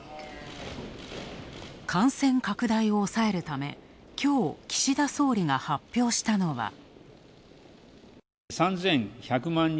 感染拡大を抑えるためきょう岸田総理が発表したのは。